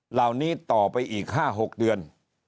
เหล่านี้ต่อไปอีก๕๖เดือน